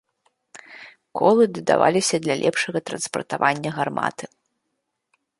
Колы дадаваліся для лепшага транспартавання гарматы.